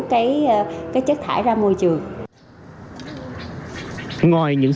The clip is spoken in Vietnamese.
cái chất thải ra môi trường